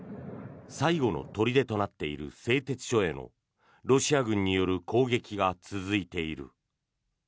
最後の砦となっている製鉄所へのロシア軍による攻撃が続いている。